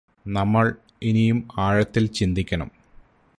നമ്മള് ഇനിയും ആഴത്തില് ചിന്തിക്കണം